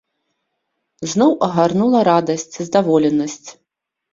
Зноў агарнула радасць, здаволенасць.